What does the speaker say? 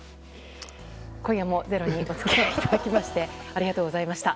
今夜も「ｚｅｒｏ」にお付き合いいただきましてありがとうございました。